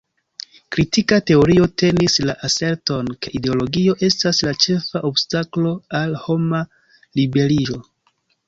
Kritika teorio tenis la aserton, ke ideologio estas la ĉefa obstaklo al homa liberiĝo.